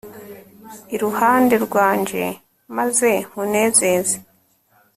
iruhande rwanje maze nkunezeze